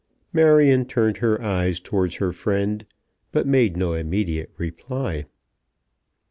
Marion turned her eyes towards her friend, but made no immediate reply.